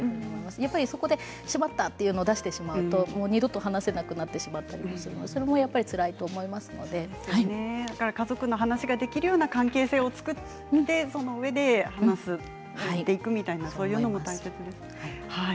やっぱり、そこでしまったというのを出してしまうと、もう二度と話せなくなったりするので家族の話ができるような関係性を作ってそのうえで話していくみたいなそういうことも大切ですね。